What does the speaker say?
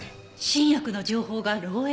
新薬の情報が漏洩？